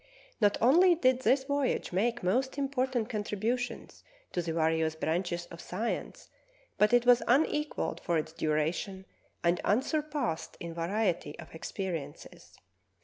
Not only did this vo3'age make most important contributions to the various branches of science, but it was unequalled for its duration and unsurpassed in variety of experiences.